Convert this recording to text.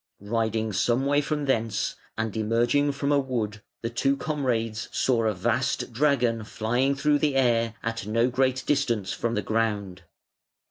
Riding some way from thence and emerging from a wood, the two comrades saw a vast dragon flying through the air at no great distance from the ground.